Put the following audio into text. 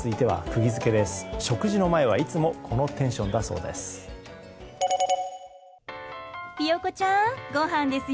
食事の前は、いつもこのテンションだそうです。